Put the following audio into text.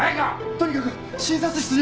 とにかく診察室に。